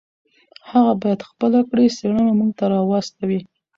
هغه باید خپله کړې څېړنه موږ ته راواستوي.